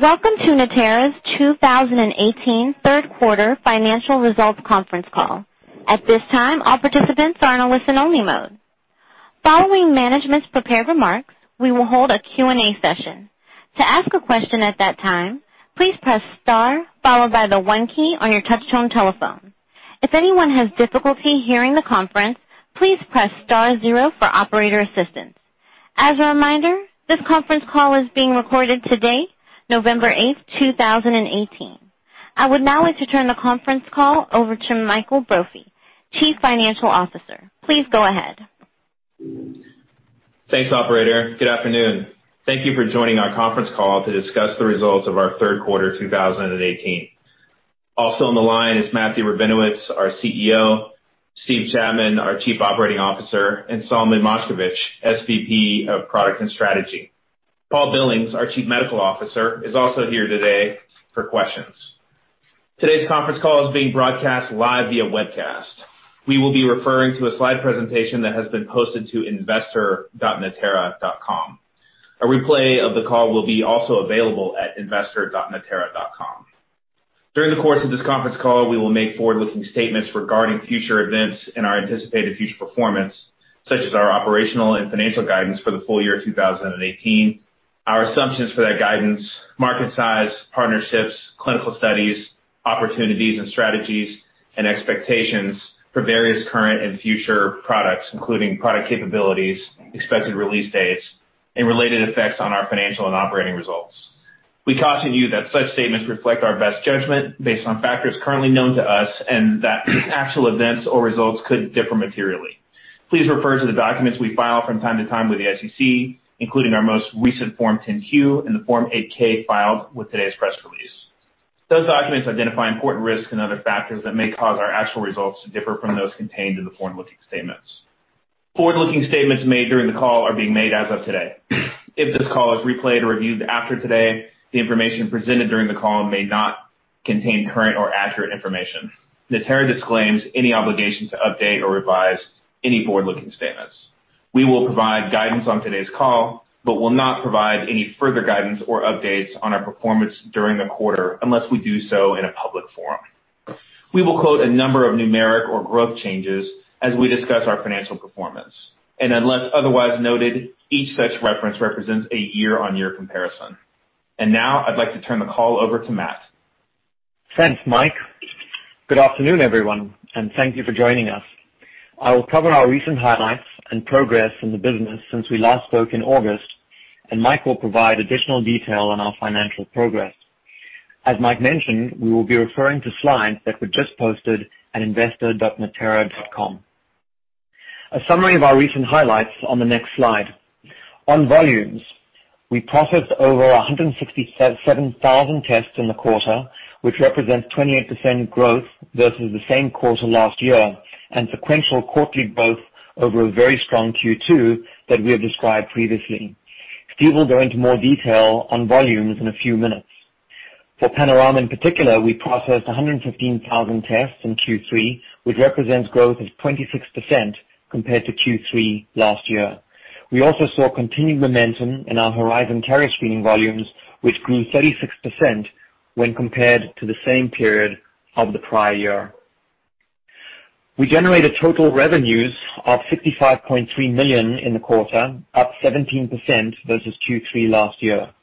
Welcome to Natera's 2018 third quarter financial results conference call. At this time, all participants are in a listen-only mode. Following management's prepared remarks, we will hold a Q&A session. To ask a question at that time, please press star followed by the one key on your touch-tone telephone. If anyone has difficulty hearing the conference, please press star zero for operator assistance. As a reminder, this conference call is being recorded today, November 8th, 2018. I would now like to turn the conference call over to Michael Brophy, Chief Financial Officer. Please go ahead. Thanks, operator. Good afternoon. Thank you for joining our conference call to discuss the results of our third quarter 2018. Also on the line is Matthew Rabinowitz, our CEO, Steve Chapman, our Chief Operating Officer, and Solomon Moshkevich, SVP of Product and Strategy. Paul Billings, our Chief Medical Officer, is also here today for questions. Today's conference call is being broadcast live via webcast. We will be referring to a slide presentation that has been posted to investor.natera.com. A replay of the call will be also available at investor.natera.com. During the course of this conference call, we will make forward-looking statements regarding future events and our anticipated future performance, such as our operational and financial guidance for the full year 2018, our assumptions for that guidance, market size, partnerships, clinical studies, opportunities and strategies, and expectations for various current and future products, including product capabilities, expected release dates, and related effects on our financial and operating results. We caution you that such statements reflect our best judgment based on factors currently known to us, and that actual events or results could differ materially. Please refer to the documents we file from time to time with the SEC, including our most recent Form 10-Q and the Form 8-K filed with today's press release. Those documents identify important risks and other factors that may cause our actual results to differ from those contained in the forward-looking statements. Forward-looking statements made during the call are being made as of today. If this call is replayed or reviewed after today, the information presented during the call may not contain current or accurate information. Natera disclaims any obligation to update or revise any forward-looking statements. We will provide guidance on today's call but will not provide any further guidance or updates on our performance during the quarter unless we do so in a public forum. We will quote a number of numeric or growth changes as we discuss our financial performance, and unless otherwise noted, each such reference represents a year-on-year comparison. Now I'd like to turn the call over to Matt. Thanks, Mike. Good afternoon, everyone, and thank you for joining us. I will cover our recent highlights and progress in the business since we last spoke in August, and Mike will provide additional detail on our financial progress. As Mike mentioned, we will be referring to slides that were just posted at investor.natera.com. A summary of our recent highlights on the next slide. On volumes, we processed over 167,000 tests in the quarter, which represents 28% growth versus the same quarter last year, and sequential quarterly growth over a very strong Q2 that we have described previously. Steve will go into more detail on volumes in a few minutes. For Panorama in particular, we processed 115,000 tests in Q3, which represents growth of 26% compared to Q3 last year. We also saw continued momentum in our Horizon carrier screening volumes, which grew 36% when compared to the same period of the prior year. We generated total revenues of $65.3 million in the quarter, up 17% versus Q3 last year.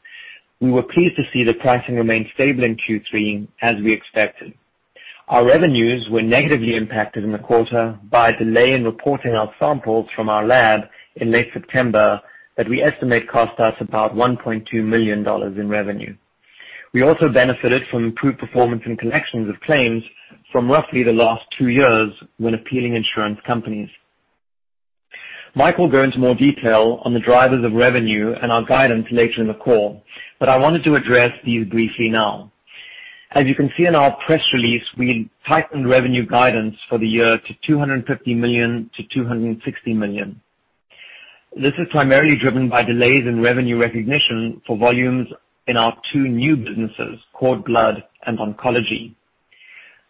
We were pleased to see the pricing remain stable in Q3 as we expected. Our revenues were negatively impacted in the quarter by a delay in reporting our samples from our lab in late September that we estimate cost us about $1.2 million in revenue. We also benefited from improved performance in collections of claims from roughly the last two years when appealing insurance companies. Mike will go into more detail on the drivers of revenue and our guidance later in the call, but I wanted to address these briefly now. As you can see in our press release, we tightened revenue guidance for the year to $250 million-$260 million. This is primarily driven by delays in revenue recognition for volumes in our two new businesses, cord blood and oncology.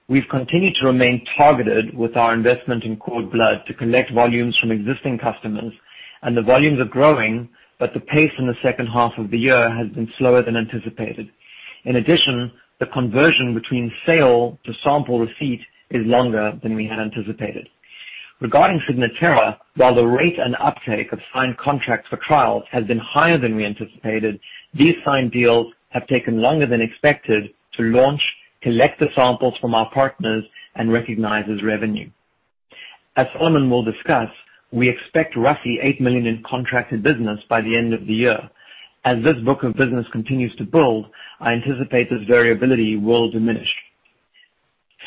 We've continued to remain targeted with our investment in cord blood to collect volumes from existing customers, and the volumes are growing, but the pace in the second half of the year has been slower than anticipated. In addition, the conversion between sale to sample receipt is longer than we had anticipated. Regarding Signatera, while the rate and uptake of signed contracts for trials has been higher than we anticipated, these signed deals have taken longer than expected to launch, collect the samples from our partners, and recognize as revenue. As Solomon will discuss, we expect roughly $8 million in contracted business by the end of the year. As this book of business continues to build, I anticipate this variability will diminish.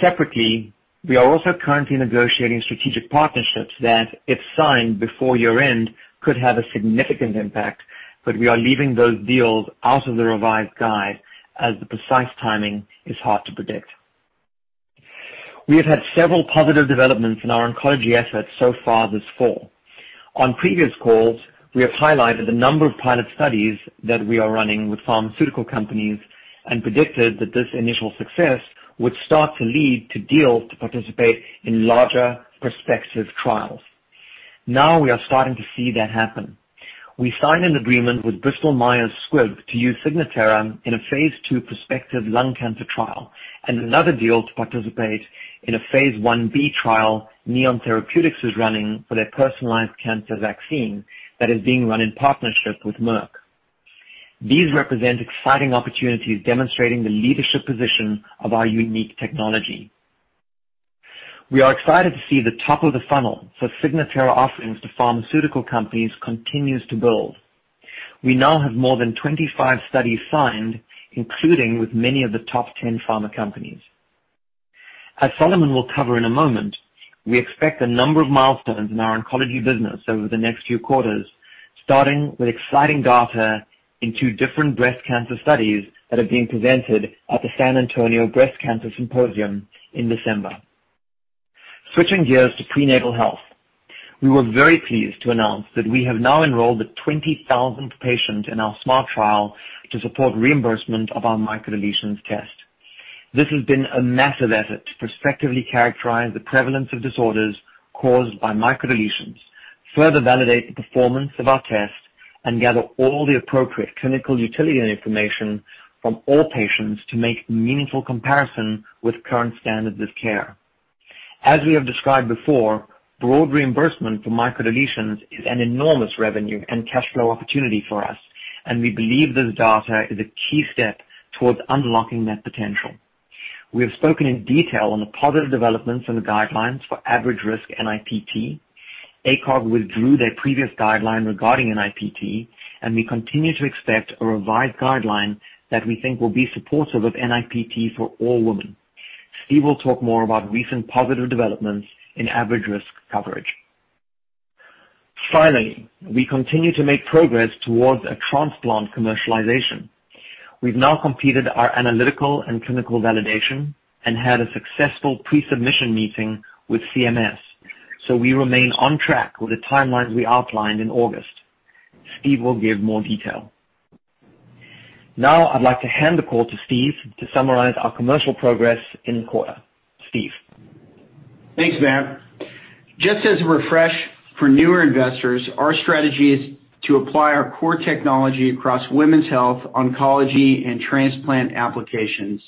Separately, we are also currently negotiating strategic partnerships that, if signed before year-end, could have a significant impact, but we are leaving those deals out of the revised guide as the precise timing is hard to predict. We have had several positive developments in our oncology assets so far this fall. On previous calls, we have highlighted a number of pilot studies that we are running with pharmaceutical companies and predicted that this initial success would start to lead to deals to participate in larger prospective trials. We are starting to see that happen. We signed an agreement with Bristol Myers Squibb to use Signatera in a phase II prospective lung cancer trial, and another deal to participate in a phase I-B trial Neon Therapeutics is running for their personalized cancer vaccine that is being run in partnership with Merck. These represent exciting opportunities demonstrating the leadership position of our unique technology. We are excited to see the top of the funnel for Signatera offerings to pharmaceutical companies continues to build. We now have more than 25 studies signed, including with many of the top 10 pharma companies. As Solomon will cover in a moment, we expect a number of milestones in our oncology business over the next few quarters, starting with exciting data in two different breast cancer studies that are being presented at the San Antonio Breast Cancer Symposium in December. Switching gears to prenatal health, we were very pleased to announce that we have now enrolled the 20,000th patient in our SMART trial to support reimbursement of our microdeletions test. This has been a massive effort to prospectively characterize the prevalence of disorders caused by microdeletions, further validate the performance of our test, and gather all the appropriate clinical utility information from all patients to make meaningful comparison with current standards of care. As we have described before, broad reimbursement for microdeletions is an enormous revenue and cash flow opportunity for us, and we believe this data is a key step towards unlocking that potential. We have spoken in detail on the positive developments in the guidelines for average-risk NIPT. ACOG withdrew their previous guideline regarding NIPT, and we continue to expect a revised guideline that we think will be supportive of NIPT for all women. Steve will talk more about recent positive developments in average-risk coverage. Finally, we continue to make progress towards a transplant commercialization. We've now completed our analytical and clinical validation and had a successful pre-submission meeting with CMS. We remain on track with the timelines we outlined in August. Steve will give more detail. Now I'd like to hand the call to Steve to summarize our commercial progress in the quarter. Steve? Thanks, Matt. Just as a refresh for newer investors, our strategy is to apply our core technology across women's health, oncology, and transplant applications.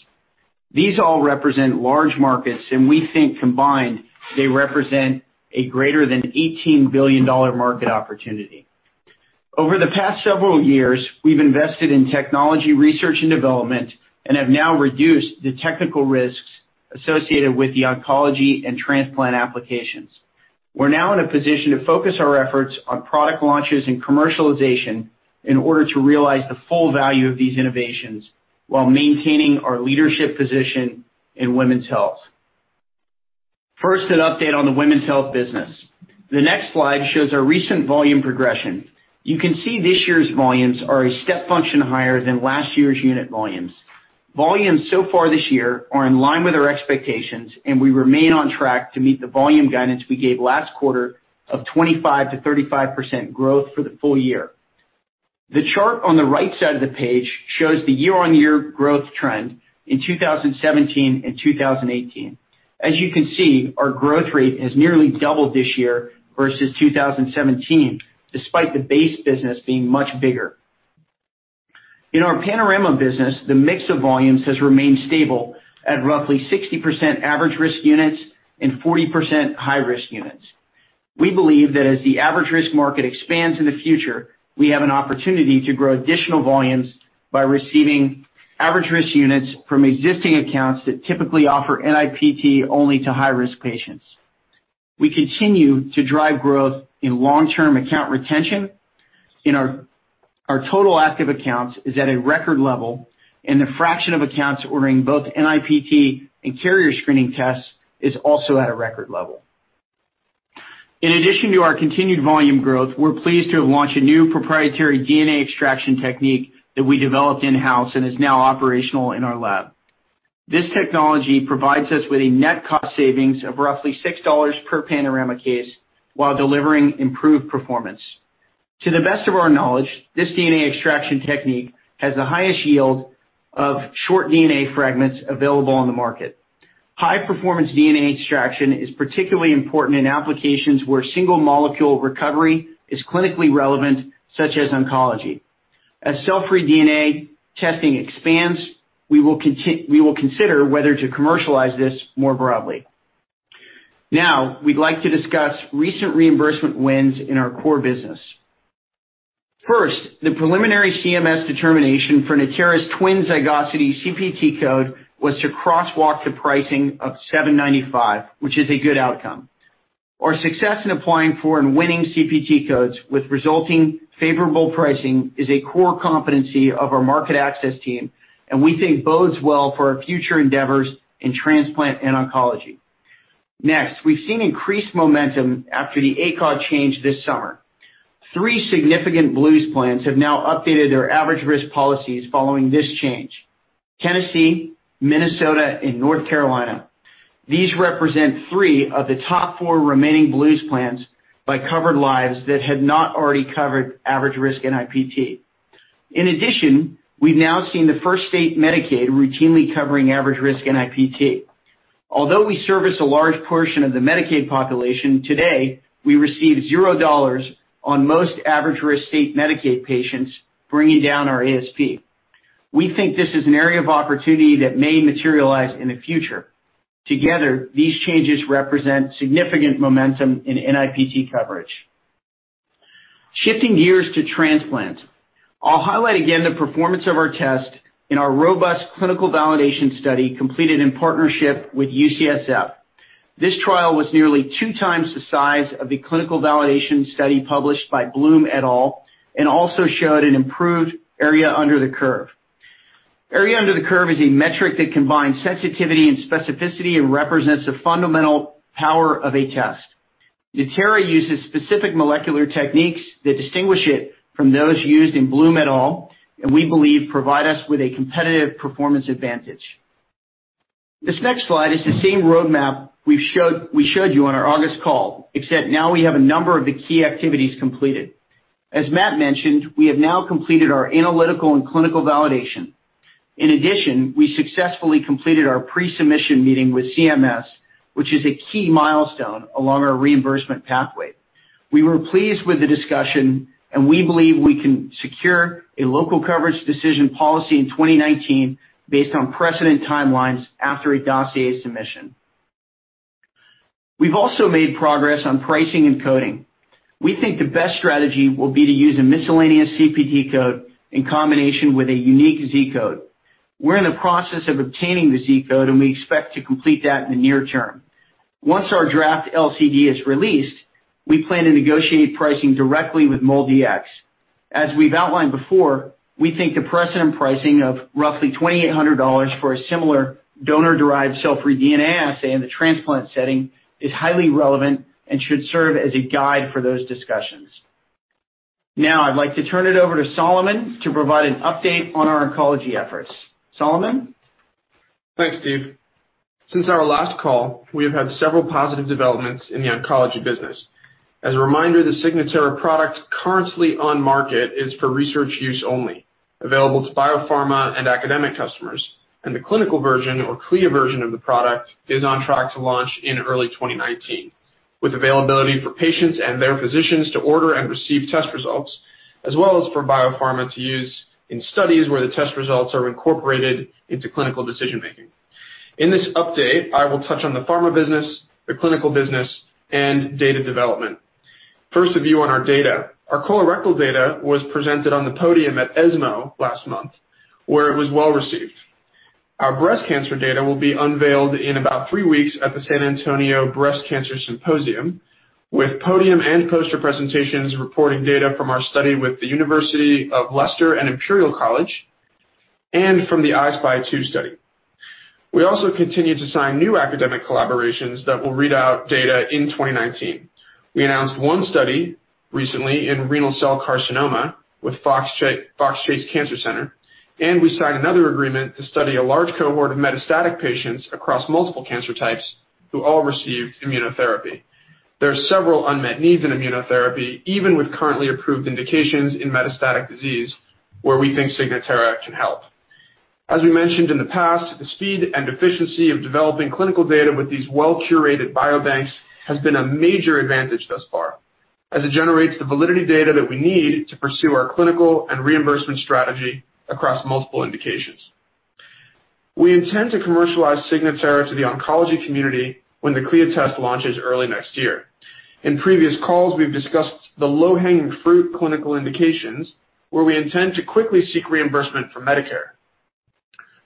These all represent large markets, and we think combined, they represent a greater than $18 billion market opportunity. Over the past several years, we've invested in technology research and development and have now reduced the technical risks associated with the oncology and transplant applications. We're now in a position to focus our efforts on product launches and commercialization in order to realize the full value of these innovations while maintaining our leadership position in women's health. First, an update on the women's health business. The next slide shows our recent volume progression. You can see this year's volumes are a step function higher than last year's unit volumes. Volumes so far this year are in line with our expectations. We remain on track to meet the volume guidance we gave last quarter of 25%-35% growth for the full year. The chart on the right side of the page shows the year-on-year growth trend in 2017 and 2018. As you can see, our growth rate has nearly doubled this year versus 2017, despite the base business being much bigger. In our Panorama business, the mix of volumes has remained stable at roughly 60% average-risk units and 40% high-risk units. We believe that as the average-risk market expands in the future, we have an opportunity to grow additional volumes by receiving average-risk units from existing accounts that typically offer NIPT only to high-risk patients. We continue to drive growth in long-term account retention. Our total active accounts is at a record level. The fraction of accounts ordering both NIPT and carrier screening tests is also at a record level. In addition to our continued volume growth, we're pleased to have launched a new proprietary DNA extraction technique that we developed in-house and is now operational in our lab. This technology provides us with a net cost savings of roughly $6 per Panorama case while delivering improved performance. To the best of our knowledge, this DNA extraction technique has the highest yield of short DNA fragments available on the market. High-performance DNA extraction is particularly important in applications where single molecule recovery is clinically relevant, such as oncology. As cell-free DNA testing expands, we will consider whether to commercialize this more broadly. We'd like to discuss recent reimbursement wins in our core business. First, the preliminary CMS determination for Natera's twin zygosity CPT code was to crosswalk to pricing of $7.95, which is a good outcome. Our success in applying for and winning CPT codes with resulting favorable pricing is a core competency of our market access team. We think bodes well for our future endeavors in transplant and oncology. Next, we've seen increased momentum after the ACOG change this summer. Three significant Blues plans have now updated their average-risk policies following this change: Tennessee, Minnesota, and North Carolina. These represent three of the top four remaining Blues plans by covered lives that had not already covered average risk NIPT. In addition, we've now seen the first state Medicaid routinely covering average risk NIPT. Although we service a large portion of the Medicaid population today, we receive zero dollars on most average risk state Medicaid patients, bringing down our ASP. We think this is an area of opportunity that may materialize in the future. Together, these changes represent significant momentum in NIPT coverage. Shifting gears to transplant, I'll highlight again the performance of our test in our robust clinical validation study completed in partnership with UCSF. This trial was nearly two times the size of the clinical validation study published by Bloom et al., and also showed an improved area under the curve. Area under the curve is a metric that combines sensitivity and specificity and represents the fundamental power of a test. Natera uses specific molecular techniques that distinguish it from those used in Bloom et al. We believe provide us with a competitive performance advantage. This next slide is the same roadmap we showed you on our August call, except now we have a number of the key activities completed. As Matt mentioned, we have now completed our analytical and clinical validation. In addition, we successfully completed our pre-submission meeting with CMS, which is a key milestone along our reimbursement pathway. We were pleased with the discussion, and we believe we can secure a local coverage decision policy in 2019 based on precedent timelines after a dossier submission. We've also made progress on pricing and coding. We think the best strategy will be to use a miscellaneous CPT code in combination with a unique Z-Code. We're in the process of obtaining the Z-Code, and we expect to complete that in the near term. Once our draft LCD is released, we plan to negotiate pricing directly with MolDX. As we've outlined before, we think the precedent pricing of roughly $2,800 for a similar donor-derived cell-free DNA assay in the transplant setting is highly relevant and should serve as a guide for those discussions. Now I'd like to turn it over to Solomon to provide an update on our oncology efforts. Solomon? Thanks, Steve. Since our last call, we have had several positive developments in the oncology business. As a reminder, the Signatera product currently on market is for research use only, available to biopharma and academic customers, and the clinical version or clear version of the product is on track to launch in early 2019, with availability for patients and their physicians to order and receive test results, as well as for biopharma to use in studies where the test results are incorporated into clinical decision-making. In this update, I will touch on the pharma business, the clinical business, and data development. First, a view on our data. Our colorectal data was presented on the podium at ESMO last month, where it was well-received. Our breast cancer data will be unveiled in about three weeks at the San Antonio Breast Cancer Symposium, with podium and poster presentations reporting data from our study with the University of Leicester and Imperial College and from the I-SPY 2 study. We also continue to sign new academic collaborations that will read out data in 2019. We announced one study recently in renal cell carcinoma with Fox Chase Cancer Center, and we signed another agreement to study a large cohort of metastatic patients across multiple cancer types who all receive immunotherapy. There are several unmet needs in immunotherapy, even with currently approved indications in metastatic disease where we think Signatera can help. As we mentioned in the past, the speed and efficiency of developing clinical data with these well-curated biobanks has been a major advantage thus far, as it generates the validity data that we need to pursue our clinical and reimbursement strategy across multiple indications. We intend to commercialize Signatera to the oncology community when the clear test launches early next year. In previous calls, we've discussed the low-hanging fruit clinical indications, where we intend to quickly seek reimbursement for Medicare.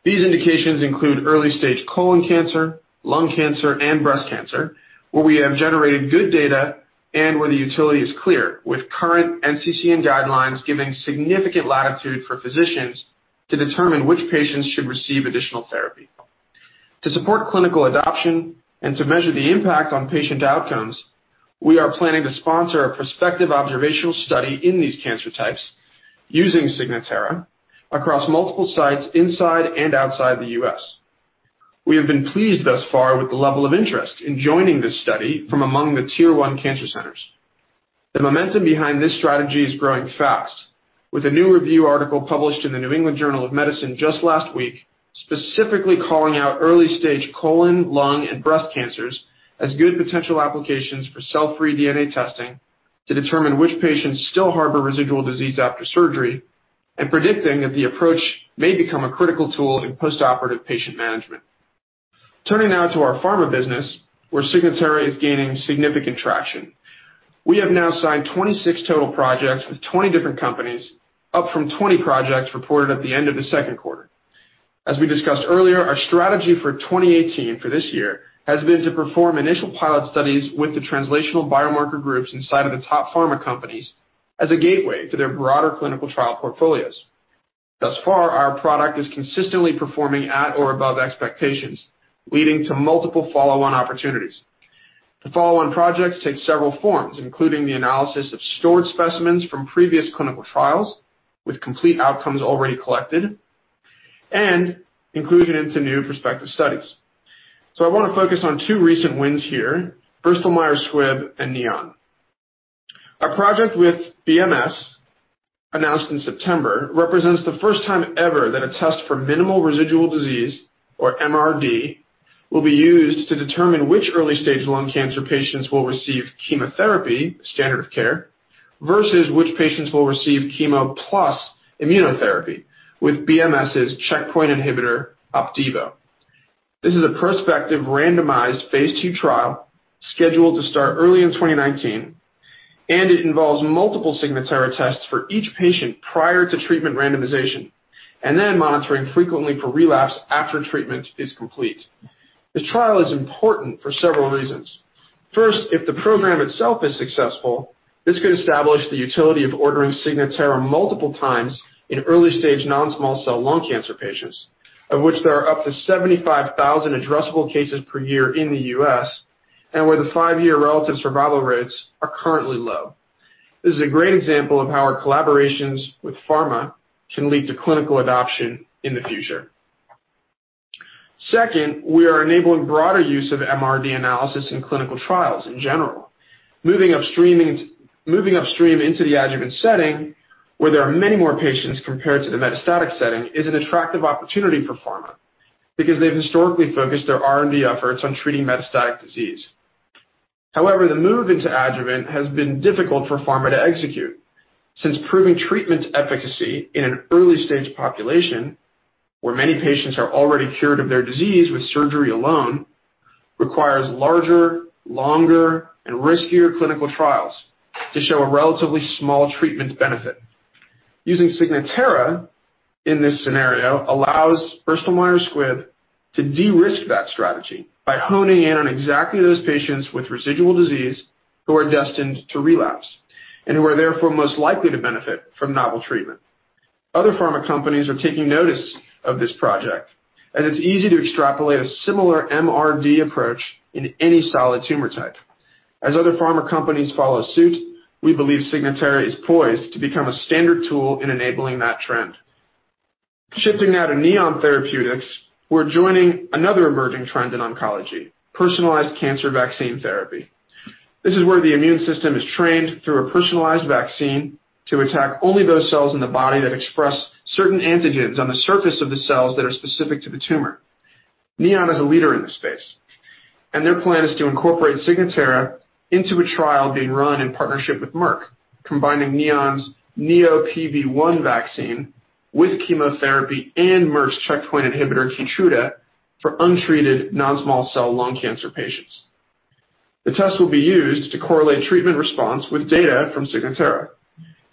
These indications include early-stage colon cancer, lung cancer, and breast cancer, where we have generated good data and where the utility is clear, with current NCCN guidelines giving significant latitude for physicians to determine which patients should receive additional therapy. To support clinical adoption and to measure the impact on patient outcomes, we are planning to sponsor a prospective observational study in these cancer types using Signatera across multiple sites inside and outside the U.S. We have been pleased thus far with the level of interest in joining this study from among the Tier 1 cancer centers. The momentum behind this strategy is growing fast, with a new review article published in The New England Journal of Medicine just last week, specifically calling out early-stage colon, lung, and breast cancers as good potential applications for cell-free DNA testing to determine which patients still harbor residual disease after surgery, and predicting that the approach may become a critical tool in postoperative patient management. Turning now to our pharma business, where Signatera is gaining significant traction. We have now signed 26 total projects with 20 different companies, up from 20 projects reported at the end of the second quarter. As we discussed earlier, our strategy for 2018, for this year, has been to perform initial pilot studies with the translational biomarker groups inside of the top pharma companies as a gateway to their broader clinical trial portfolios. Thus far, our product is consistently performing at or above expectations, leading to multiple follow-on opportunities. The follow-on projects take several forms, including the analysis of stored specimens from previous clinical trials with complete outcomes already collected and inclusion into new prospective studies. I want to focus on two recent wins here, Bristol Myers Squibb and Neon. Our project with BMS, announced in September, represents the first time ever that a test for minimal residual disease, or MRD, will be used to determine which early-stage lung cancer patients will receive chemotherapy, standard of care, versus which patients will receive chemo plus immunotherapy with BMS's checkpoint inhibitor, OPDIVO. This is a prospective, randomized phase II trial scheduled to start early in 2019, and it involves multiple Signatera tests for each patient prior to treatment randomization, and then monitoring frequently for relapse after treatment is complete. This trial is important for several reasons. First, if the program itself is successful, this could establish the utility of ordering Signatera multiple times in early-stage non-small cell lung cancer patients, of which there are up to 75,000 addressable cases per year in the U.S., and where the five-year relative survival rates are currently low. This is a great example of how our collaborations with pharma can lead to clinical adoption in the future. Second, we are enabling broader use of MRD analysis in clinical trials in general. Moving upstream into the adjuvant setting, where there are many more patients compared to the metastatic setting, is an attractive opportunity for pharma, because they've historically focused their R&D efforts on treating metastatic disease. However, the move into adjuvant has been difficult for pharma to execute, since proving treatment efficacy in an early-stage population, where many patients are already cured of their disease with surgery alone, requires larger, longer, and riskier clinical trials to show a relatively small treatment benefit. Using Signatera in this scenario allows Bristol Myers Squibb to de-risk that strategy by honing in on exactly those patients with residual disease who are destined to relapse, who are therefore most likely to benefit from novel treatment. Other pharma companies are taking notice of this project, as it's easy to extrapolate a similar MRD approach in any solid tumor type. As other pharma companies follow suit, we believe Signatera is poised to become a standard tool in enabling that trend. Shifting now to Neon Therapeutics, we're joining another emerging trend in oncology, personalized cancer vaccine therapy. This is where the immune system is trained through a personalized vaccine to attack only those cells in the body that express certain antigens on the surface of the cells that are specific to the tumor. Neon is a leader in this space, their plan is to incorporate Signatera into a trial being run in partnership with Merck, combining Neon's NEO-PV-01 vaccine with chemotherapy and Merck's checkpoint inhibitor, KEYTRUDA, for untreated non-small cell lung cancer patients. The test will be used to correlate treatment response with data from Signatera.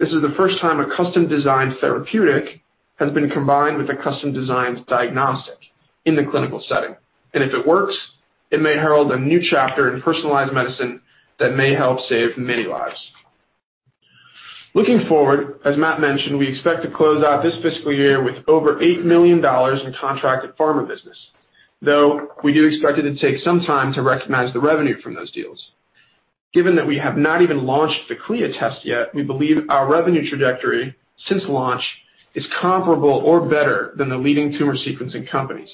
This is the first time a custom-designed therapeutic has been combined with a custom-designed diagnostic in the clinical setting. If it works, it may herald a new chapter in personalized medicine that may help save many lives. Looking forward, as Matt mentioned, we expect to close out this fiscal year with over $8 million in contracted pharma business, though we do expect it to take some time to recognize the revenue from those deals. Given that we have not even launched the CLIA test yet, we believe our revenue trajectory since launch is comparable or better than the leading tumor sequencing companies.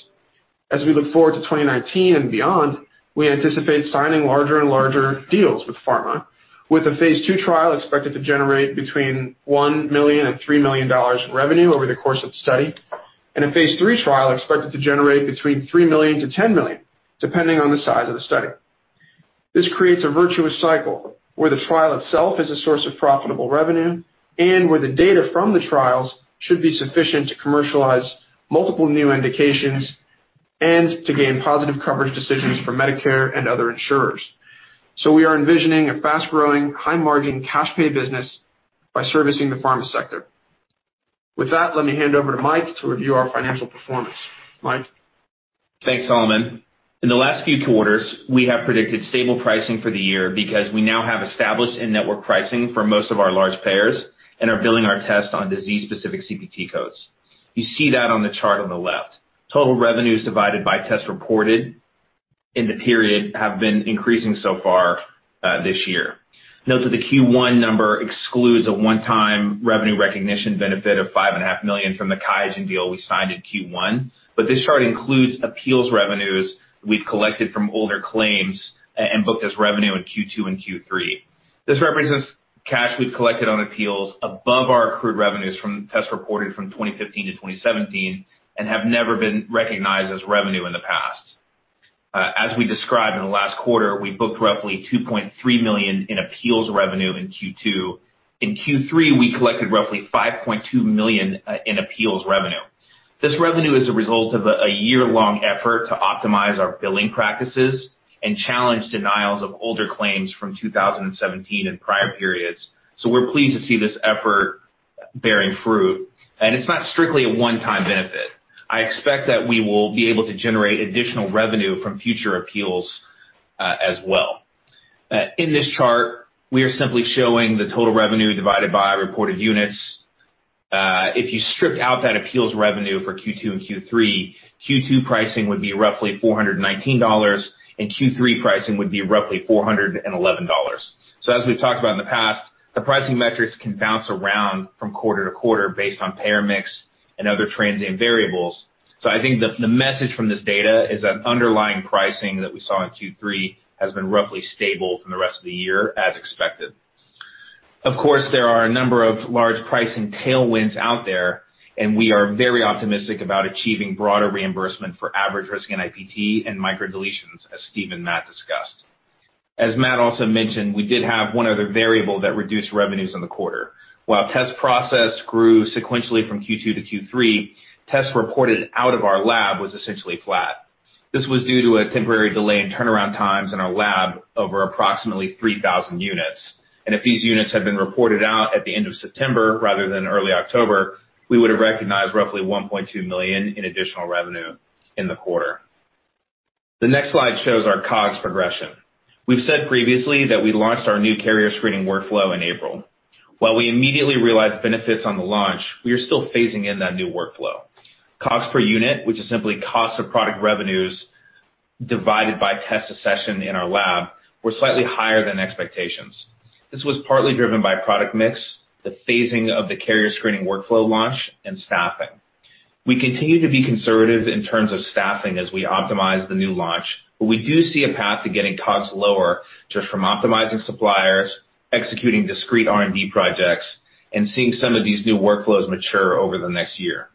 As we look forward to 2019 and beyond, we anticipate signing larger and larger deals with pharma, with a phase II trial expected to generate between $1 million and $3 million in revenue over the course of the study, and a phase III trial expected to generate between $3 million-$10 million, depending on the size of the study. This creates a virtuous cycle where the trial itself is a source of profitable revenue, and where the data from the trials should be sufficient to commercialize multiple new indications and to gain positive coverage decisions from Medicare and other insurers. We are envisioning a fast-growing, high-margin cash pay business by servicing the pharma sector. With that, let me hand over to Mike to review our financial performance. Mike? Thanks, Solomon. In the last few quarters, we have predicted stable pricing for the year because we now have established in-network pricing for most of our large payers and are billing our tests on disease-specific CPT codes. You see that on the chart on the left. Total revenues divided by tests reported in the period have been increasing so far this year. Note that the Q1 number excludes a one-time revenue recognition benefit of $5.5 million from the QIAGEN deal we signed in Q1. This chart includes appeals revenues we've collected from older claims and booked as revenue in Q2 and Q3. This represents cash we've collected on appeals above our accrued revenues from tests reported from 2015-2017 and have never been recognized as revenue in the past. As we described in the last quarter, we booked roughly $2.3 million in appeals revenue in Q2. In Q3, we collected roughly $5.2 million in appeals revenue. This revenue is a result of a year-long effort to optimize our billing practices and challenge denials of older claims from 2017 and prior periods. We're pleased to see this effort bearing fruit, and it's not strictly a one-time benefit. I expect that we will be able to generate additional revenue from future appeals as well. In this chart, we are simply showing the total revenue divided by reported units. If you stripped out that appeals revenue for Q2 and Q3, Q2 pricing would be roughly $419, and Q3 pricing would be roughly $411. As we've talked about in the past, the pricing metrics can bounce around from quarter to quarter based on payer mix and other transient variables. I think the message from this data is that underlying pricing that we saw in Q3 has been roughly stable from the rest of the year, as expected. Of course, there are a number of large pricing tailwinds out there, and we are very optimistic about achieving broader reimbursement for average-risk NIPT and microdeletions, as Steve and Matt discussed. As Matt also mentioned, we did have one other variable that reduced revenues in the quarter. While test process grew sequentially from Q2 to Q3, tests reported out of our lab was essentially flat. This was due to a temporary delay in turnaround times in our lab over approximately 3,000 units. If these units had been reported out at the end of September rather than early October, we would have recognized roughly $1.2 million in additional revenue in the quarter. The next slide shows our COGS progression. We've said previously that we launched our new carrier screening workflow in April. While we immediately realized benefits on the launch, we are still phasing in that new workflow. COGS per unit, which is simply cost of product revenues divided by tests accessioned in our lab, were slightly higher than expectations. This was partly driven by product mix, the phasing of the carrier screening workflow launch, and staffing. We continue to be conservative in terms of staffing as we optimize the new launch, but we do see a path to getting COGS lower just from optimizing suppliers, executing discrete R&D projects, and seeing some of these new workflows mature over the next year.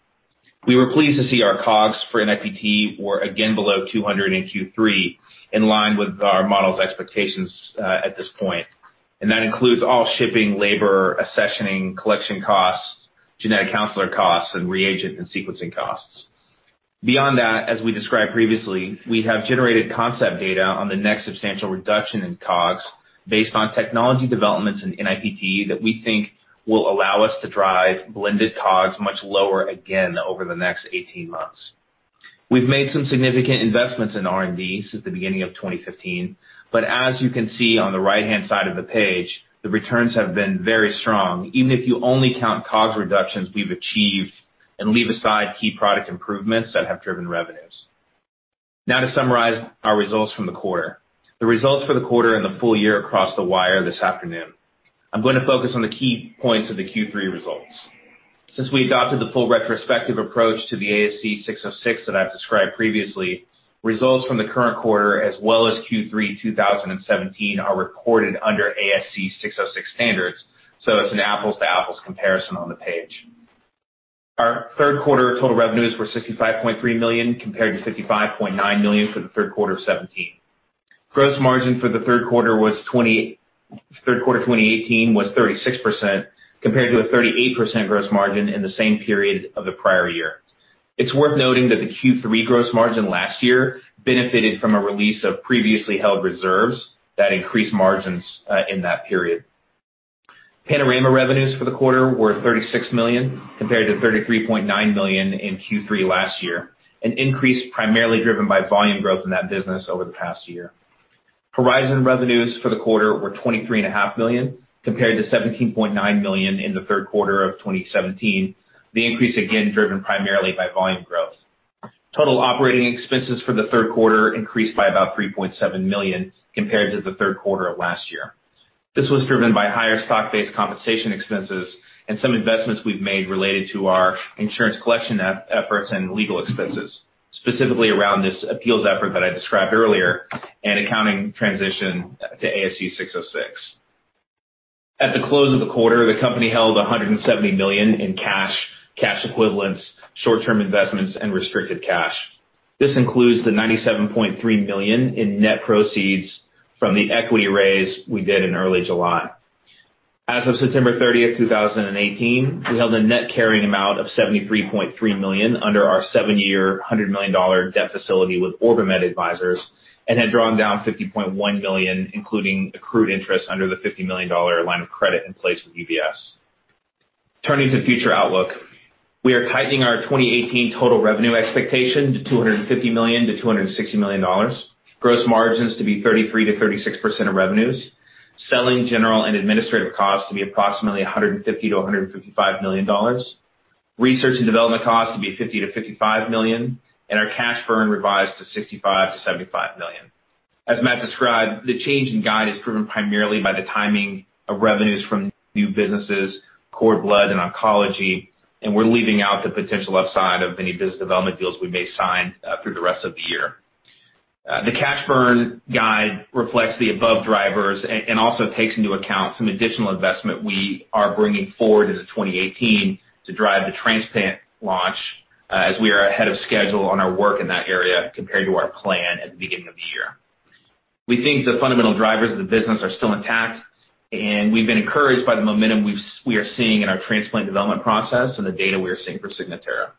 We were pleased to see our COGS for NIPT were again below $200 in Q3, in line with our model's expectations at this point. That includes all shipping, labor, accessioning, collection costs, genetic counselor costs, and reagent and sequencing costs. Beyond that, as we described previously, we have generated concept data on the next substantial reduction in COGS based on technology developments in NIPT that we think will allow us to drive blended COGS much lower again over the next 18 months. We've made some significant investments in R&D since the beginning of 2015, as you can see on the right-hand side of the page, the returns have been very strong, even if you only count COGS reductions we've achieved and leave aside key product improvements that have driven revenues. To summarize our results from the quarter. The results for the quarter and the full year crossed the wire this afternoon. I'm going to focus on the key points of the Q3 results. Since we adopted the full retrospective approach to the ASC 606 that I've described previously, results from the current quarter as well as Q3 2017 are reported under ASC 606 standards, it's an apples to apples comparison on the page. Our third quarter total revenues were $65.3 million, compared to $55.9 million for the third quarter of 2017. Gross margin for the third quarter 2018 was 36%, compared to a 38% gross margin in the same period of the prior year. It's worth noting that the Q3 gross margin last year benefited from a release of previously held reserves that increased margins in that period. Panorama revenues for the quarter were $36 million, compared to $33.9 million in Q3 last year, an increase primarily driven by volume growth in that business over the past year. Horizon revenues for the quarter were $23.5 million, compared to $17.9 million in the third quarter of 2017. The increase, again, driven primarily by volume growth. Total operating expenses for the third quarter increased by about $3.7 million compared to the third quarter of last year. This was driven by higher stock-based compensation expenses and some investments we've made related to our insurance collection efforts and legal expenses, specifically around this appeals effort that I described earlier and accounting transition to ASC 606. At the close of the quarter, the company held $170 million in cash, cash equivalents, short-term investments, and restricted cash. This includes the $97.3 million in net proceeds from the equity raise we did in early July. As of September 30th, 2018, we held a net carrying amount of $73.3 million under our seven-year, $100 million debt facility with OrbiMed Advisors and had drawn down $50.1 million, including accrued interest under the $50 million line of credit in place with UBS. Turning to future outlook. We are tightening our 2018 total revenue expectation to $250 million-$260 million, gross margins to be 33%-36% of revenues, selling, general, and administrative costs to be approximately $150 million-$155 million, research and development costs to be $50 million-$55 million, and our cash burn revised to $65 million-$75 million. As Matt described, the change in guide is driven primarily by the timing of revenues from new businesses, cord blood, and oncology. We're leaving out the potential upside of any business development deals we may sign through the rest of the year. The cash burn guide reflects the above drivers and also takes into account some additional investment we are bringing forward into 2018 to drive the transplant launch, as we are ahead of schedule on our work in that area compared to our plan at the beginning of the year. We think the fundamental drivers of the business are still intact. We've been encouraged by the momentum we are seeing in our transplant development process and the data we are seeing for Signatera.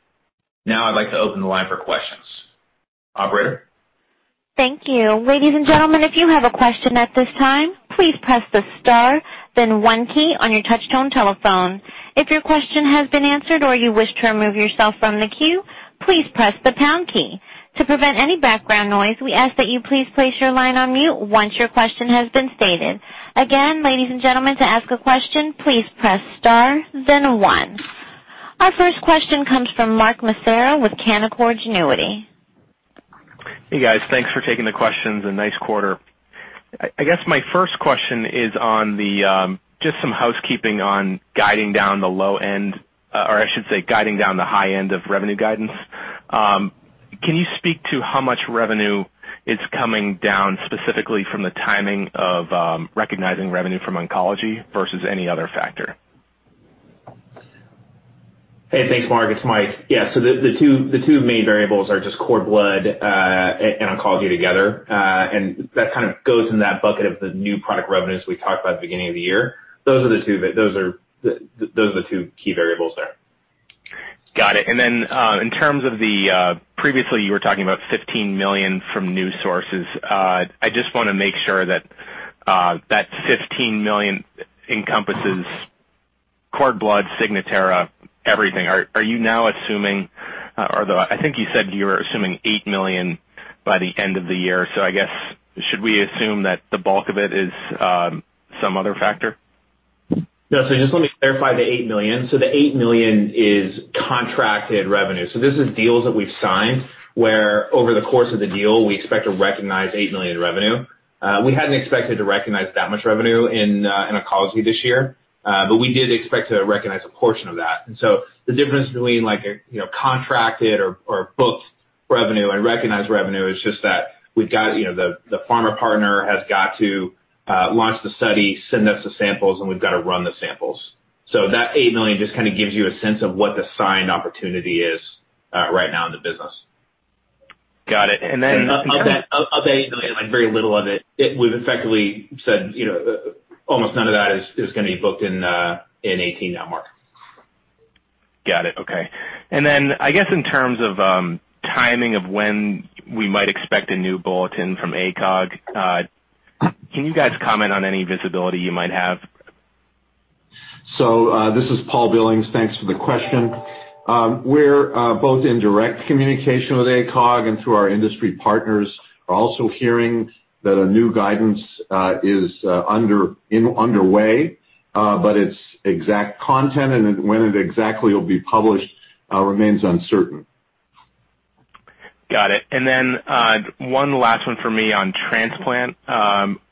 I'd like to open the line for questions. Operator? Thank you. Ladies and gentlemen, if you have a question at this time, please press the star then one key on your touchtone telephone. If your question has been answered or you wish to remove yourself from the queue, please press the pound key. To prevent any background noise, we ask that you please place your line on mute once your question has been stated. Again, ladies and gentlemen, to ask a question, please press star then one. Our first question comes from Mark Massaro with Canaccord Genuity. Hey guys, thanks for taking the questions. Nice quarter. I guess my first question is on just some housekeeping on guiding down the low end, or I should say, guiding down the high end of revenue guidance. Can you speak to how much revenue is coming down specifically from the timing of recognizing revenue from oncology versus any other factor? Hey, thanks, Mark. It's Mike. The two main variables are just cord blood and oncology together. That kind of goes in that bucket of the new product revenues we talked about at the beginning of the year. Those are the two key variables there. Got it. In terms of the, previously you were talking about $15 million from new sources. I just want to make sure that $15 million encompasses cord blood, Signatera, everything. Are you now assuming, although I think you said you were assuming $8 million by the end of the year, so I guess, should we assume that the bulk of it is some other factor? No. Just let me clarify the $8 million. The $8 million is contracted revenue. This is deals that we've signed where over the course of the deal, we expect to recognize $8 million in revenue. We hadn't expected to recognize that much revenue in oncology this year. We did expect to recognize a portion of that. The difference between contracted or booked revenue and recognized revenue is just that the pharma partner has got to launch the study, send us the samples, and we've got to run the samples. That $8 million just kind of gives you a sense of what the signed opportunity is right now in the business. Got it. Of that $8 million, very little of it, we've effectively said almost none of that is going to be booked in 2018 now, Mark. Got it. Okay. I guess in terms of timing of when we might expect a new bulletin from ACOG, can you guys comment on any visibility you might have? This is Paul Billings, thanks for the question. We're both in direct communication with ACOG and through our industry partners. We're also hearing that a new guidance is underway, but its exact content and when it exactly will be published remains uncertain. Got it. One last one for me on transplant.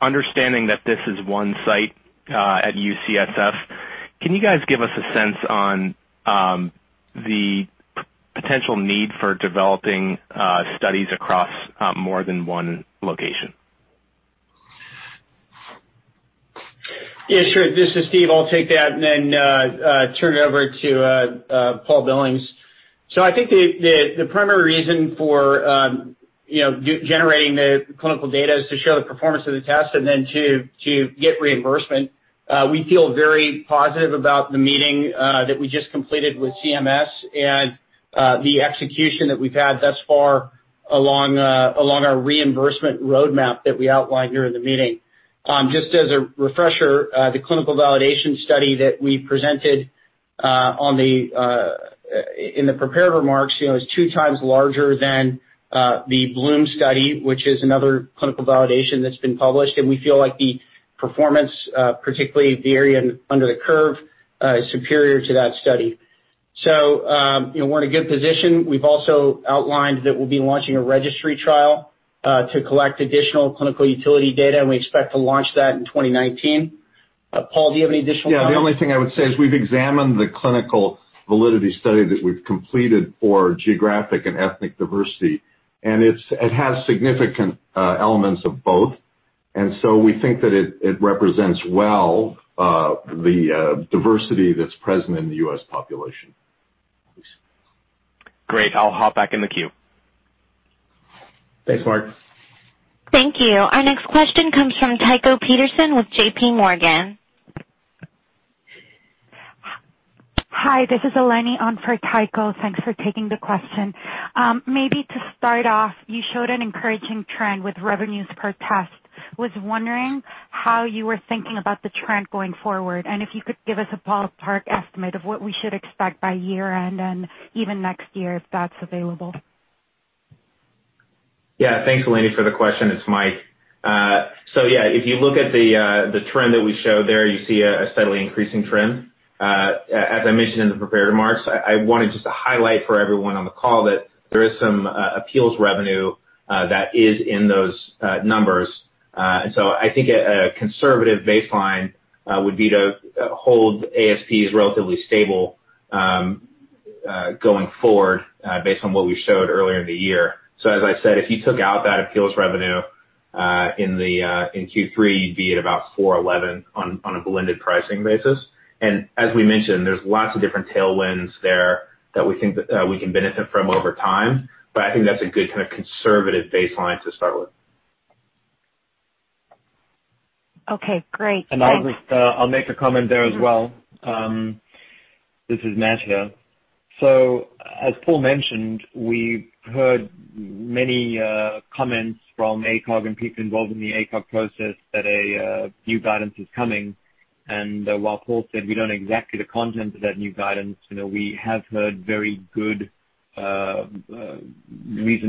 Understanding that this is one site at UCSF, can you guys give us a sense on the potential need for developing studies across more than one location? Yeah, sure. This is Steve. I'll take that and then turn it over to Paul Billings. I think the primary reason for generating the clinical data is to show the performance of the test and then to get reimbursement. We feel very positive about the meeting that we just completed with CMS and the execution that we've had thus far along our reimbursement roadmap that we outlined during the meeting. Just as a refresher, the clinical validation study that we presented in the prepared remarks is 2x larger than the Bloom study, which is another clinical validation that's been published, and we feel like the performance, particularly the area under the curve, is superior to that study. We're in a good position. We've also outlined that we'll be launching a registry trial to collect additional clinical utility data, and we expect to launch that in 2019. Paul, do you have any additional comments? Yeah, the only thing I would say is we've examined the clinical validity study that we've completed for geographic and ethnic diversity, and it has significant elements of both. We think that it represents well the diversity that's present in the U.S. population. Great. I'll hop back in the queue. Thanks, Mark. Thank you. Our next question comes from Tycho Peterson with JPMorgan. Hi, this is Eleni on for Tycho. Thanks for taking the question. To start off, you showed an encouraging trend with revenues per test. Was wondering how you were thinking about the trend going forward, and if you could give us a ballpark estimate of what we should expect by year-end and even next year, if that's available. Thanks, Eleni, for the question. It's Mike. If you look at the trend that we show there, you see a steadily increasing trend. As I mentioned in the prepared remarks, I want to just highlight for everyone on the call that there is some appeals revenue that is in those numbers. I think a conservative baseline would be to hold ASPs relatively stable going forward based on what we showed earlier in the year. As I said, if you took out that appeals revenue in Q3, you'd be at about $411 on a blended pricing basis. As we mentioned, there's lots of different tailwinds there that we think we can benefit from over time, but I think that's a good kind of conservative baseline to start with. Okay, great. Thanks. I'll make a comment there as well. This is Matt here. As Paul mentioned, we've heard many comments from ACOG and people involved in the ACOG process that a new guidance is coming. While Paul said we don't know exactly the content of that new guidance, we have heard very good reason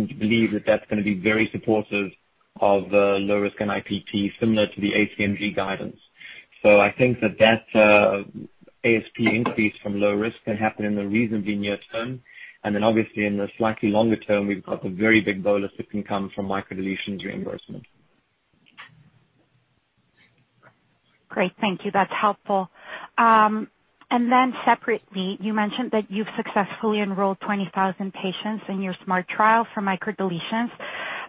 to believe that that's going to be very supportive of low-risk NIPT similar to the ACMG guidance. I think that ASP increase from low-risk can happen in the reasonably near term. Then obviously in the slightly longer term, we've got the very big bolus that can come from microdeletions reimbursement. Great, thank you. That's helpful. Separately, you mentioned that you've successfully enrolled 20,000 patients in your SMART trial for microdeletions.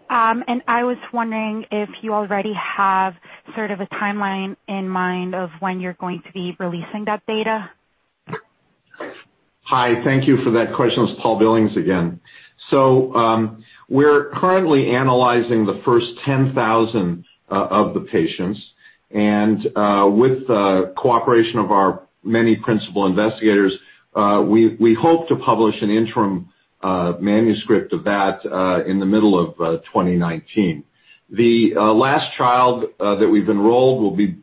I was wondering if you already have sort of a timeline in mind of when you're going to be releasing that data. Hi, thank you for that question. It's Paul Billings again. We're currently analyzing the first 10,000 of the patients. With the cooperation of our many principal investigators, we hope to publish an interim manuscript of that in the middle of 2019. The last child that we've enrolled will be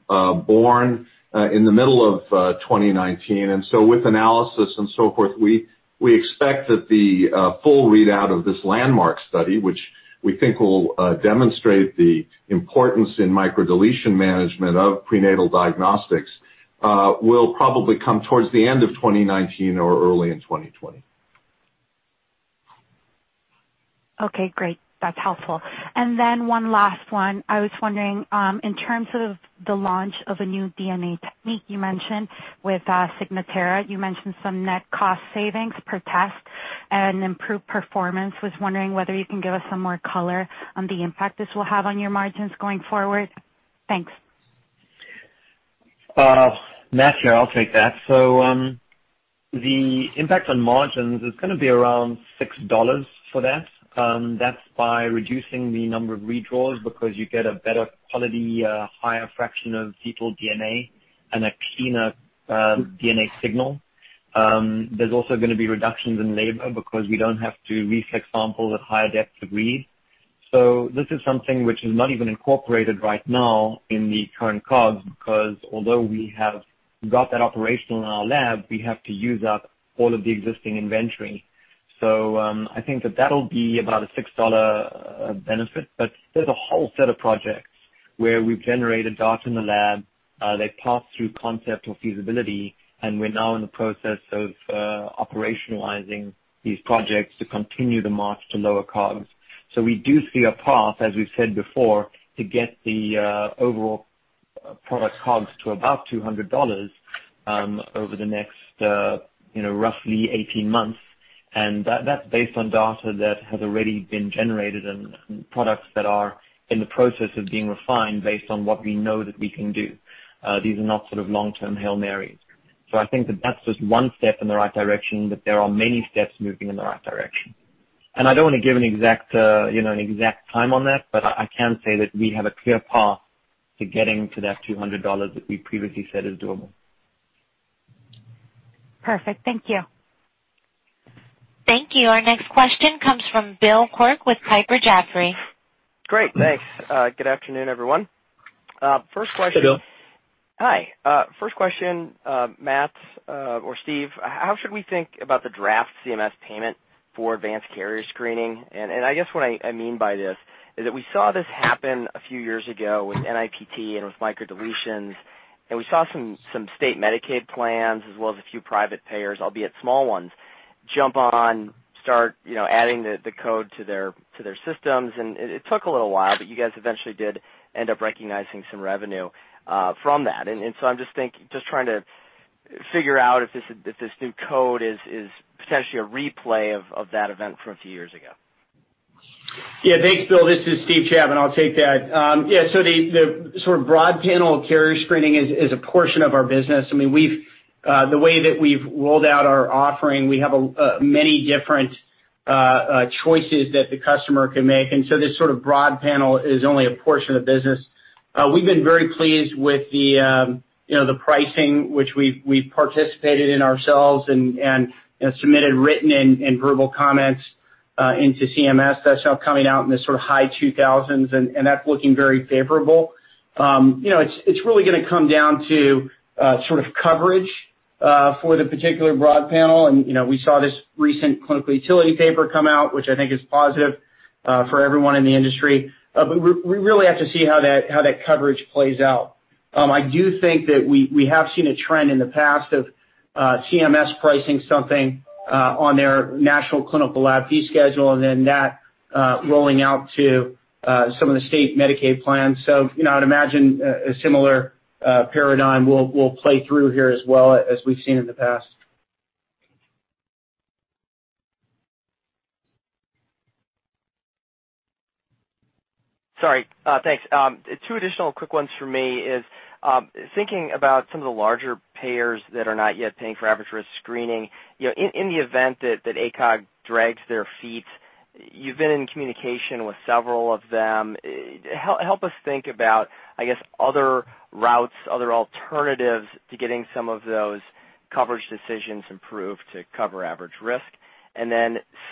born in the middle of 2019. With analysis and so forth, we expect that the full readout of this landmark study, which we think will demonstrate the importance in microdeletion management of prenatal diagnostics will probably come towards the end of 2019 or early in 2020. Okay, great. That's helpful. One last one. I was wondering, in terms of the launch of a new DNA technique you mentioned with Signatera. You mentioned some net cost savings per test and improved performance. Was wondering whether you can give us some more color on the impact this will have on your margins going forward? Thanks. Matt here, I'll take that. The impact on margins is going to be around $6 for that. That's by reducing the number of redraws because you get a better quality, higher fraction of fetal DNA and a cleaner DNA signal. There's also going to be reductions in labor because we don't have to re-sequence samples at higher depths of read. This is something which is not even incorporated right now in the current COGS, because although we have got that operational in our lab, we have to use up all of the existing inventory. I think that'll be about a $6 benefit. There's a whole set of projects where we've generated data in the lab, they've passed through concept or feasibility, and we're now in the process of operationalizing these projects to continue the march to lower COGS. We do see a path, as we've said before, to get the overall product COGS to about $200 over the next roughly 18 months. That's based on data that has already been generated and products that are in the process of being refined based on what we know that we can do. These are not sort of long-term Hail Marys. I think that that's just one step in the right direction, but there are many steps moving in the right direction. I don't want to give an exact time on that, but I can say that we have a clear path to getting to that $200 that we previously said is doable. Perfect. Thank you. Thank you. Our next question comes from Bill Quirk with Piper Jaffray. Great, thanks. Good afternoon, everyone. First question- Hi, Bill. Hi. First question, Matt or Steve, how should we think about the draft CMS payment for advanced carrier screening? I guess what I mean by this is that we saw this happen a few years ago with NIPT and with microdeletions, and we saw some state Medicaid plans, as well as a few private payers, albeit small ones, jump on, start adding the code to their systems, and it took a little while, but you guys eventually did end up recognizing some revenue from that. I'm just trying to figure out if this new code is potentially a replay of that event from a few years ago. Thanks, Bill. This is Steve Chapman. I will take that. The sort of broad panel of carrier screening is a portion of our business. The way that we have rolled out our offering, we have many different choices that the customer can make, this sort of broad panel is only a portion of the business. We have been very pleased with the pricing, which we have participated in ourselves and submitted written and verbal comments into CMS. That is now coming out in the sort of high $2,000s, that is looking very favorable. It is really going to come down to sort of coverage for the particular broad panel, we saw this recent clinical utility paper come out, which I think is positive for everyone in the industry. We really have to see how that coverage plays out. I do think that we have seen a trend in the past of CMS pricing something on their national clinical lab fee schedule, that rolling out to some of the state Medicaid plans. I would imagine a similar paradigm will play through here as well as we have seen in the past. Sorry. Thanks. Two additional quick ones for me is, thinking about some of the larger payers that are not yet paying for average-risk screening. In the event that ACOG drags their feet, you have been in communication with several of them. Help us think about, I guess, other routes, other alternatives to getting some of those coverage decisions improved to cover average risk.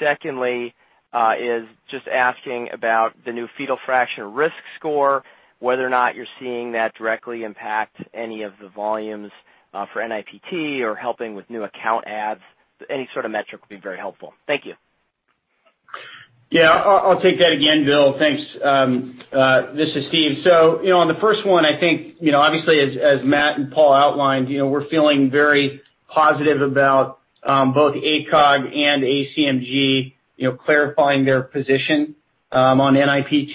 Secondly is just asking about the new fetal fraction risk score, whether or not you are seeing that directly impact any of the volumes for NIPT or helping with new account adds. Any sort of metric would be very helpful. Thank you. I will take that again, Bill. Thanks. This is Steve. On the first one, I think, obviously as Matt and Paul outlined, we are feeling very positive about both ACOG and ACMG clarifying their position on NIPT,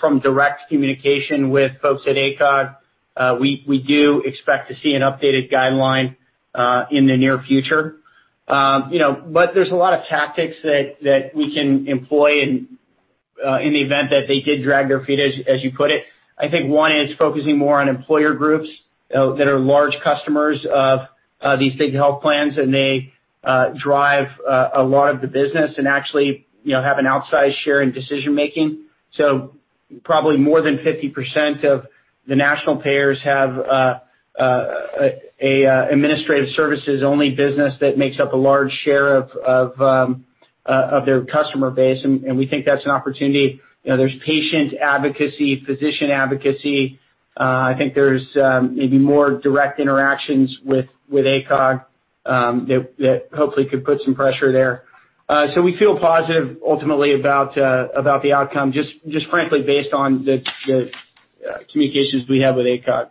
from direct communication with folks at ACOG, we do expect to see an updated guideline in the near future. There is a lot of tactics that we can employ in the event that they did drag their feet, as you put it. I think one is focusing more on employer groups that are large customers of these big health plans, they drive a lot of the business and actually have an outsized share in decision-making. Probably more than 50% of the national payers have an administrative services-only business that makes up a large share of their customer base, we think that is an opportunity. There is patient advocacy, physician advocacy. I think there's maybe more direct interactions with ACOG that hopefully could put some pressure there. We feel positive ultimately about the outcome, just frankly based on the communications we have with ACOG.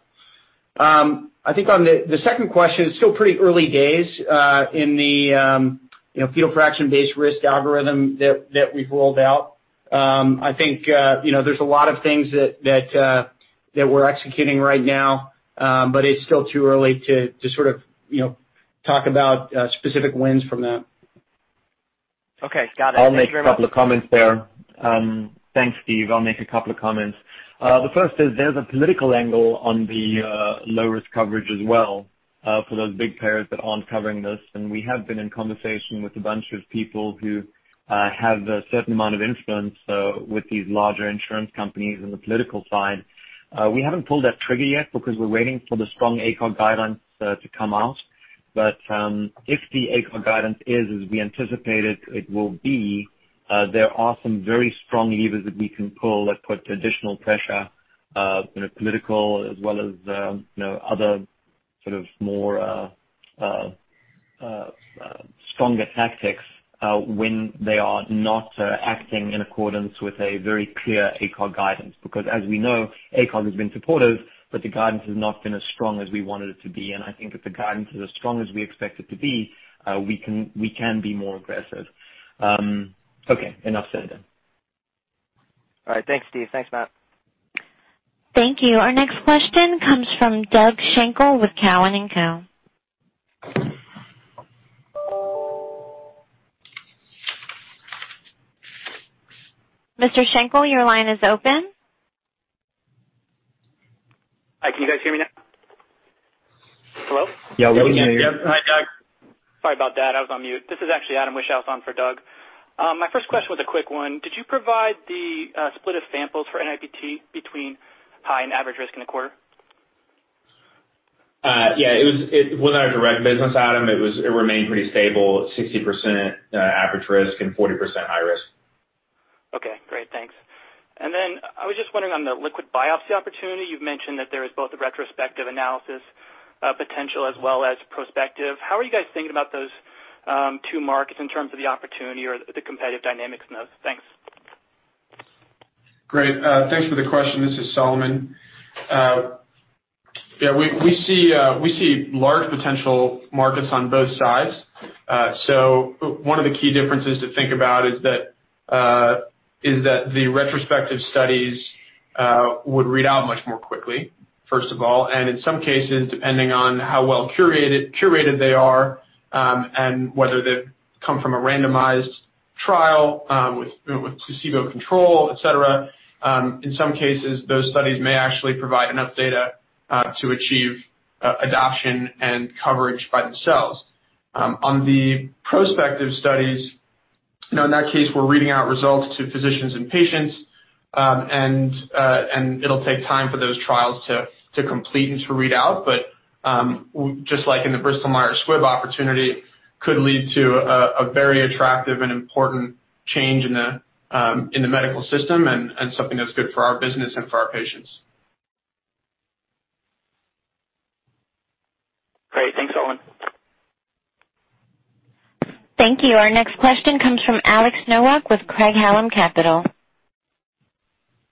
I think on the second question, it's still pretty early days in the fetal fraction-based risk algorithm that we've rolled out. I think there's a lot of things that we're executing right now. It's still too early to sort of talk about specific wins from that. Okay. Got it. Thank you very much. I'll make a couple of comments there. Thanks, Steve. I'll make a couple of comments. The first is there's a political angle on the low-risk coverage as well for those big payers that aren't covering this, we have been in conversation with a bunch of people who have a certain amount of influence with these larger insurance companies on the political side. We haven't pulled that trigger yet because we're waiting for the strong ACOG guidance to come out. If the ACOG guidance is as we anticipate it will be, there are some very strong levers that we can pull that put additional pressure, political as well as other sort of more stronger tactics, when they are not acting in accordance with a very clear ACOG guidance. As we know, ACOG has been supportive, the guidance has not been as strong as we want it to be. I think if the guidance is as strong as we expect it to be, we can be more aggressive. Okay. Enough said then. All right. Thanks, Steve. Thanks, Matt. Thank you. Our next question comes from Doug Schenkel with Cowen and Co. Mr. Schenkel, your line is open. Hi, can you guys hear me now? Hello? Yeah, we can hear you. Hi, Doug. Sorry about that. I was on mute. This is actually Adam Wieschhaus on for Doug. My first question was a quick one. Did you provide the split of samples for NIPT between high and average risk in the quarter? It wasn't our direct business, Adam. It remained pretty stable at 60% average risk and 40% high risk. Okay, great. Thanks. Then I was just wondering on the liquid biopsy opportunity, you've mentioned that there is both a retrospective analysis potential as well as prospective. How are you guys thinking about those two markets in terms of the opportunity or the competitive dynamics in those? Thanks. Great. Thanks for the question. This is Solomon. We see large potential markets on both sides. One of the key differences to think about is that the retrospective studies would read out much more quickly, first of all. In some cases, depending on how well-curated they are, and whether they've come from a randomized trial with placebo control, et cetera. In some cases, those studies may actually provide enough data to achieve adoption and coverage by themselves. On the prospective studies, in that case, we're reading out results to physicians and patients and it'll take time for those trials to complete and to read out. Just like in the Bristol Myers Squibb opportunity, could lead to a very attractive and important change in the medical system and something that's good for our business and for our patients. Great. Thanks, Solomon. Thank you. Our next question comes from Alex Nowak with Craig-Hallum Capital.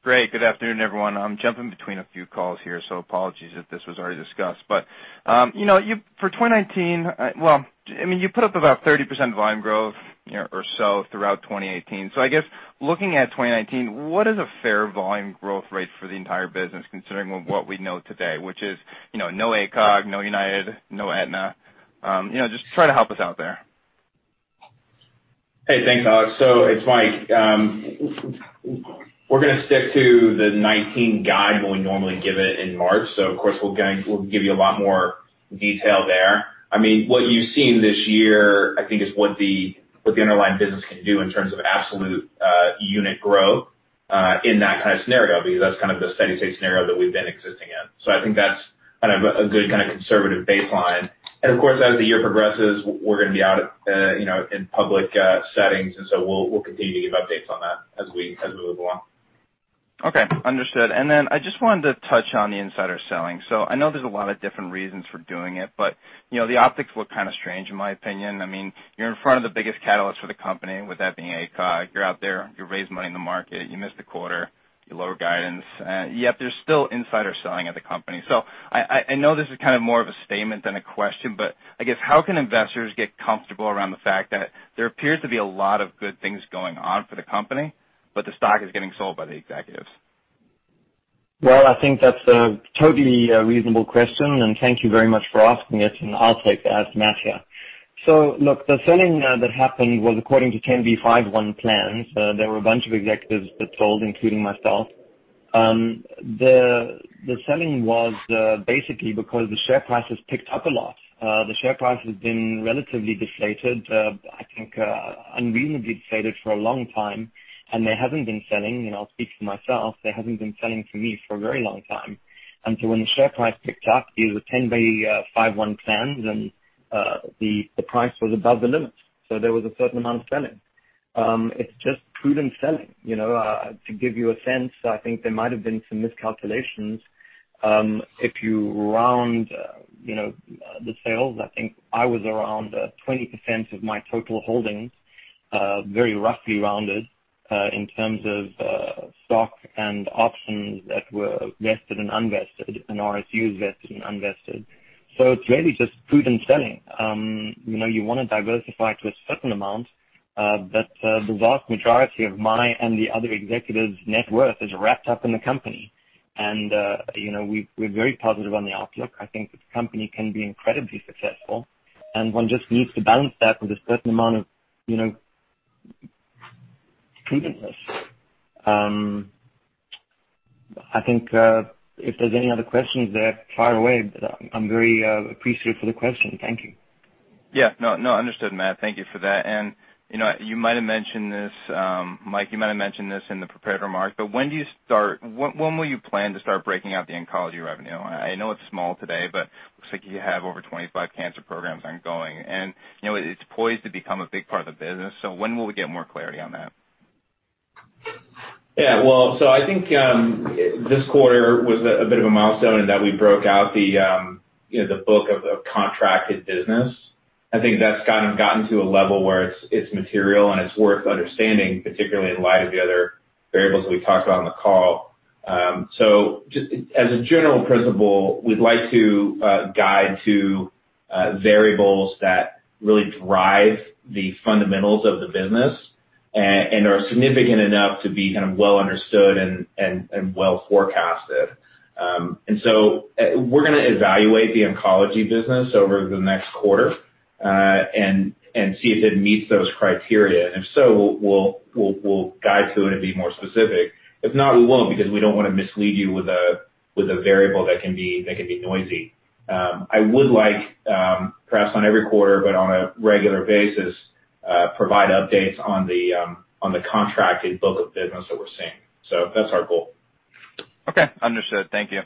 Great. Good afternoon, everyone. I'm jumping between a few calls here, so apologies if this was already discussed. For 2019, well, you put up about 30% volume growth or so throughout 2018. I guess looking at 2019, what is a fair volume growth rate for the entire business considering what we know today, which is no ACOG, no United, no Aetna. Just try to help us out there. Hey, thanks, Alex. It's Mike. We're going to stick to the 2019 guide when we normally give it in March. Of course, we'll give you a lot more detail there. What you've seen this year, I think is what the underlying business can do in terms of absolute unit growth in that kind of scenario because that's kind of the steady state scenario that we've been existing in. I think that's kind of a good kind of conservative baseline. Of course, as the year progresses, we're going to be out in public settings, and so we'll continue to give updates on that as we move along. Okay. Understood. I just wanted to touch on the insider selling. I know there's a lot of different reasons for doing it, but the optics look kind of strange in my opinion. You're in front of the biggest catalyst for the company, with that being ACOG. You're out there, you raised money in the market, you missed a quarter, you lowered guidance, yet there's still insider selling at the company. I know this is more of a statement than a question, but I guess, how can investors get comfortable around the fact that there appears to be a lot of good things going on for the company, but the stock is getting sold by the executives? Well, I think that's a totally reasonable question, and thank you very much for asking it, and I'll take that, it's Matt here. Look, the selling that happened was according to 10b5-1 plans. There were a bunch of executives that sold, including myself. The selling was basically because the share prices picked up a lot. The share price has been relatively deflated, I think unreasonably deflated for a long time, and there hasn't been selling, and I'll speak for myself, there hasn't been selling for me for a very long time. When the share price picked up, these were 10b5-1 plans, and the price was above the limits. There was a certain amount of selling. It's just prudent selling. To give you a sense, I think there might have been some miscalculations. If you round the sales, I think I was around 20% of my total holdings, very roughly rounded, in terms of stock and options that were vested and unvested and RSUs vested and unvested. It's really just prudent selling. You want to diversify to a certain amount. The vast majority of my and the other executives' net worth is wrapped up in the company. We're very positive on the outlook. I think the company can be incredibly successful and one just needs to balance that with a certain amount of prudentness. I think, if there's any other questions there, fire away. I'm very appreciative for the question. Thank you. Yeah. No, understood, Matt. Thank you for that. Mike, you might have mentioned this in the prepared remarks, but when will you plan to start breaking out the oncology revenue? I know it's small today, but it looks like you have over 25 cancer programs ongoing, and it's poised to become a big part of the business. When will we get more clarity on that? Yeah. I think this quarter was a bit of a milestone in that we broke out the book of contracted business. I think that's gotten to a level where it's material and it's worth understanding, particularly in light of the other variables that we talked about on the call. Just as a general principle, we'd like to guide to variables that really drive the fundamentals of the business and are significant enough to be well understood and well forecasted. We're going to evaluate the oncology business over the next quarter and see if it meets those criteria. If so, we'll guide to it and be more specific. If not, we won't, because we don't want to mislead you with a variable that can be noisy. I would like, perhaps not every quarter, but on a regular basis, provide updates on the contracted book of business that we're seeing. That's our goal. Okay, understood. Thank you.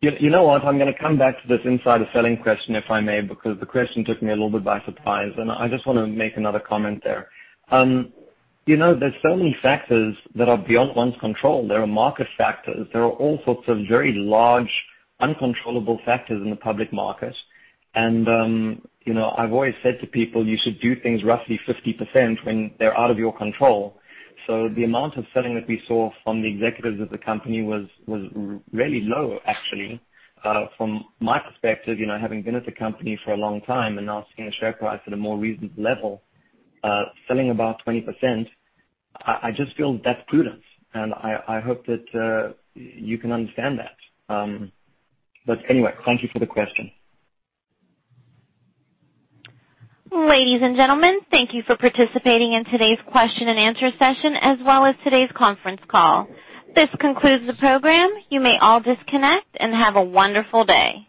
You know what? I'm going to come back to this insider selling question, if I may, because the question took me a little bit by surprise, and I just want to make another comment there. There's so many factors that are beyond one's control. There are market factors. There are all sorts of very large, uncontrollable factors in the public market. I've always said to people, you should do things roughly 50% when they're out of your control. The amount of selling that we saw from the executives of the company was really low, actually. From my perspective, having been at the company for a long time and now seeing a share price at a more reasonable level, selling about 20%, I just feel that's prudence, and I hope that you can understand that. Anyway, thank you for the question. Ladies and gentlemen, thank you for participating in today's question and answer session, as well as today's conference call. This concludes the program. You may all disconnect. Have a wonderful day.